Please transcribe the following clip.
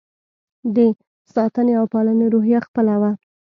د ساتنې او پالنې روحیه خپله وه.